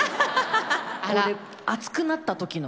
これ厚くなった時の。